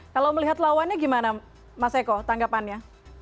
kalau melihat lawannya gimana mas eko tanggapannya